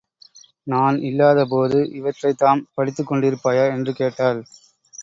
நான் இல்லாத போது, இவற்றைத்தாம் படித்துக் கொண்டிருப்பாயா? என்று கேட்டாள்.